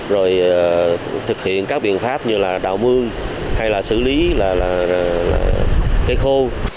rồi thực hiện các biện pháp như là đào mương hay là xử lý là cây khô